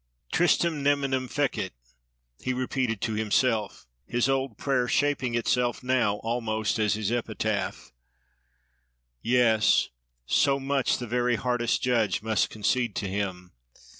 Tristem neminen fecit+—he repeated to himself; his old prayer shaping itself now almost as his epitaph. Yes! so much the very hardest judge must concede to him.